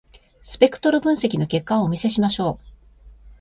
スペクトル分析の結果をお見せしましょう。